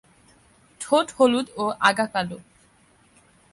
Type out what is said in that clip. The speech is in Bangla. ঠোঁট হলুদ ও আগা কালো।